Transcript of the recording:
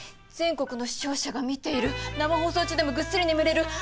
全国の視聴者が見ている生放送中でもぐっすり眠れる